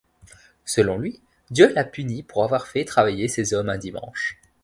Selon lui, Dieu l’a puni pour avoir fait travailler ses hommes un dimanche.